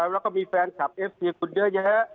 แล้วก็มีแฟนคลับเอฟเชียคุณเยอะแยะ